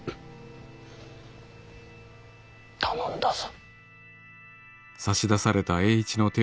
頼んだぞ。